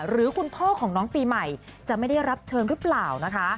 หรือคุณพ่อของน้องปีใหม่จะไม่ได้รับเชิญหรือเปล่านะคะ